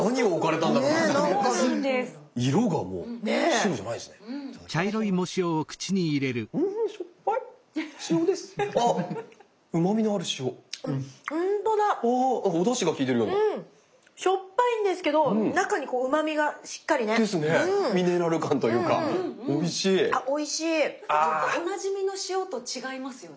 ただちょっとおなじみの塩と違いますよね。